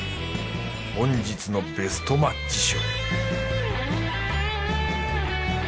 本日のベストマッチ賞